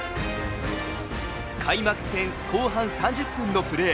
開幕戦、後半３０分のプレー。